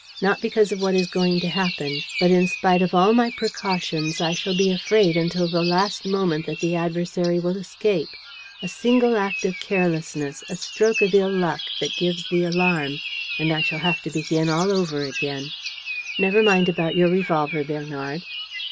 Not because of what is going to happen. But, in spite of all my precautions, I shall be afraid until the last moment that the adversary will escape. A single act of carelessness, a stroke of ill luck that gives the alarm ... and I shall have to begin all over again. ... Never mind about your revolver, Bernard."